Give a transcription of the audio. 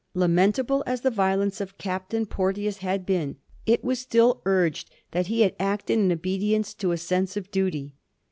Lamentable as the violence of Captain Porteous had been, it was still urged that he had acted in obedience to a sense of duty.